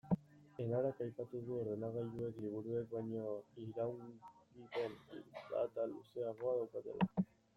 Enarak aipatu du ordenagailuek liburuek baino iraungipen data luzeagoa daukatela.